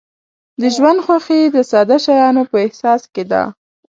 د ژوند خوښي د ساده شیانو په احساس کې ده.